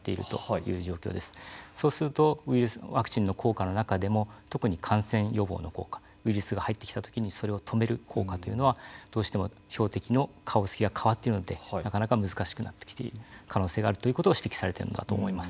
そうするとウイルスワクチンの効果の中でも特に感染予防の効果ウイルスが入ってきたときにそれを止める効果というのはどうしても標的の顔つきが変わっているのでなかなか難しくなってきている可能性があるということを指摘されているのだと思います。